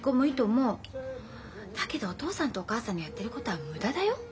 だけどお父さんとお母さんのやってることは無駄だよ？